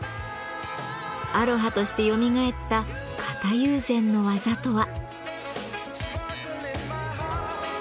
アロハとしてよみがえった型友禅の技とは？